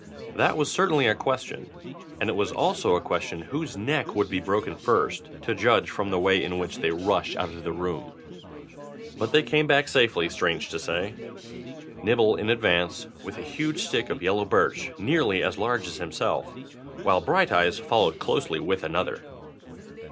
That was certainly a question, and it was also a question whose neck would be broken first, to judge from the way in which they rushed out of the room. But they came back safely, strange to say, Nibble in advance, with a huge stick of yellow birch nearly as large as himself, while Brighteyes followed closely with another.